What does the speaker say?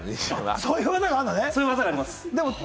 そういう技があります。